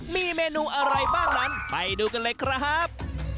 มีเมนูอะไรบ้างนั้นไปดูกันเลยครับ